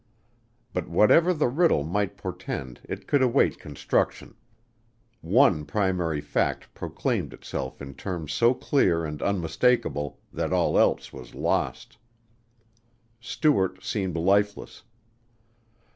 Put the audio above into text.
But whatever the riddle might portend it could await construction. One primary fact proclaimed itself in terms so clear and unmistakable that all else was lost. Stuart seemed lifeless.